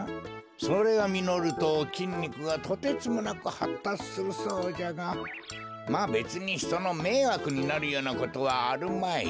それがみのるときんにくがとてつもなくはったつするそうじゃがまあべつにひとのめいわくになるようなことはあるまい。